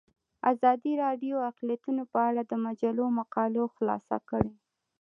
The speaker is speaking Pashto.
ازادي راډیو د اقلیتونه په اړه د مجلو مقالو خلاصه کړې.